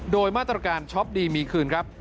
โดยมาตรการช็อปดีมีคืนครับ